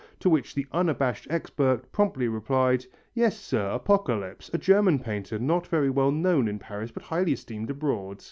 To which the unabashed expert promptly replied: "Yes, sir, Apocalypse; a German painter not very well known in Paris but highly esteemed abroad."